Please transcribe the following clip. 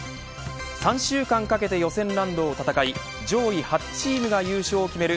３週間かけて予選ラウンドを戦い上位８チームが優勝を決める